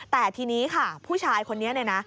แต่ทีนี้ค่ะผู้ชายคนนี้